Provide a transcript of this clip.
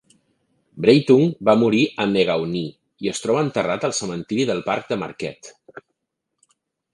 Breitung va morir a Negaunee i es troba enterrat al cementiri del parc de Marquette.